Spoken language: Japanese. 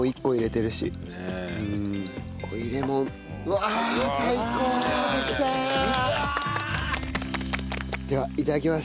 うわあ！ではいただきます。